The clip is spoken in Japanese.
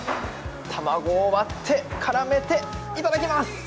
卵を割って、絡めて、いただきます！